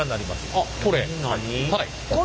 あっこれ？